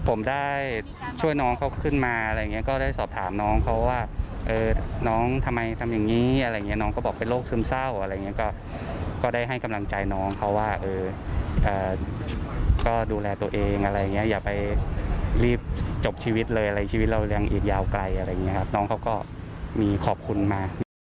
ผมได้ช่วยน้องเขาขึ้นมาอะไรอย่างเงี้ก็ได้สอบถามน้องเขาว่าน้องทำไมทำอย่างนี้อะไรอย่างเงี้น้องก็บอกเป็นโรคซึมเศร้าอะไรอย่างเงี้ยก็ได้ให้กำลังใจน้องเขาว่าก็ดูแลตัวเองอะไรอย่างเงี้อย่าไปรีบจบชีวิตเลยอะไรชีวิตเรายังอีกยาวไกลอะไรอย่างนี้ครับน้องเขาก็มีขอบคุณมา